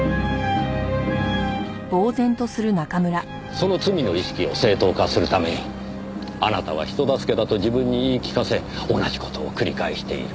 その罪の意識を正当化するためにあなたは人助けだと自分に言い聞かせ同じ事を繰り返している。